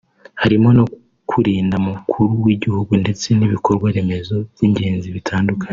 harimo no kurinda umukuru w’igihugu ndetse n’ibikorwa remezo by’ingenzi bitandukanye